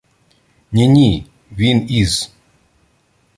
— Ні-ні! Він із.